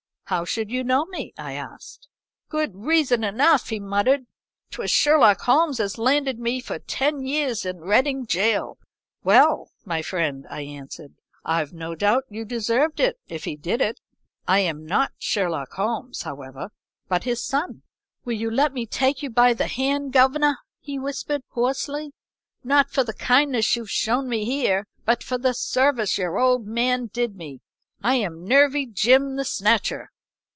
"'How should you know me?' I asked. "'Good reason enough,' he muttered. ''Twas Sherlock Holmes as landed me for ten years in Reading gaol.' "'Well, my friend,' I answered, 'I've no doubt you deserved it if he did it. I am not Sherlock Holmes, however, but his son.' "'Will you let me take you by the hand, governor?' he whispered, hoarsely. 'Not for the kindness you've shown me here, but for the service your old man did me. I am Nervy Jim the Snatcher.'